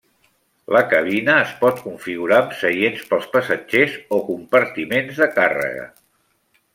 La cabina es pot configurar amb seients pels passatgers o compartiments de càrrega.